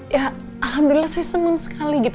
ya alhamdulillah saya seneng sekali gitu